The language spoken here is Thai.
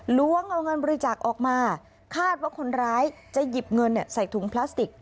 ล้วงเอาเงินบริจาคออกมาคาดว่าคนร้ายจะหยิบเงินใส่ถุงพลาสติก